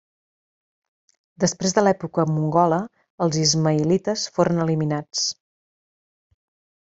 Després de l'època mongola els ismaïlites foren eliminats.